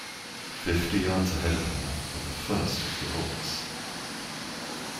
Fifty yards ahead of her were the first of the rocks.